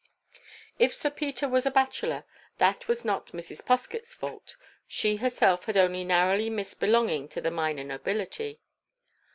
If Sir Peter was a bachelor, that was not Mrs. Poskett's fault. She herself had only narrowly missed belonging to the minor nobility.